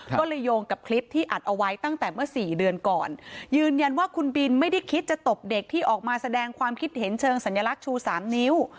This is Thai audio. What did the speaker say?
ก็เลยโยงกับคลิปที่อัดเอาไว้ตั้งแต่เมื่อสี่เดือนก่อนยืนยันว่าคุณบินไม่ได้คิดจะตบเด็กที่ออกมาแสดงความคิดเห็นเชิงสัญลักษณ์ชูสามนิ้ว